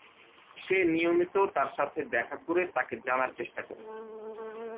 সে নিয়মিত তার সাথে দেখা করে তাকে জানার চেষ্টা করেন।